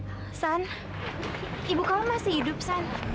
aksan ibu kamu masih hidup san